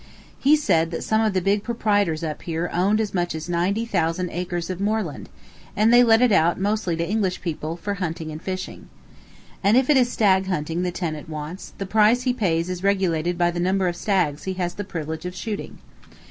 He said that some of the big proprietors up here owned as much as ninety thousand acres of moorland, and they let it out mostly to English people for hunting and fishing. And if it is stag hunting the tenant wants, the price he pays is regulated by the number of stags he has the privilege of shooting.